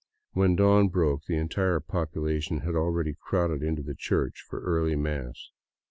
When dawn broke, the entire population had already crowded into the church for early mass.